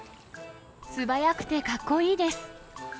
素早くてかっこいいです。